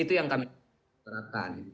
itu yang kami perhatikan